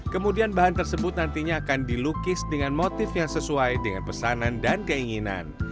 kemudian bahan tersebut nantinya akan dilukis dengan motif yang sesuai dengan pesanan dan keinginan